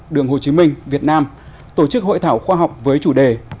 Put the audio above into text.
đường hồ chí minh việt nam tổ chức hội thảo khoa học với chủ đề